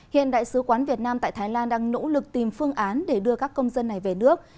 hiện đại sứ quán việt nam tại thái lan đang nỗ lực tìm phương án để đưa các công dân này về nước